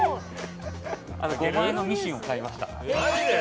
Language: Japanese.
５万円のミシンを買いました。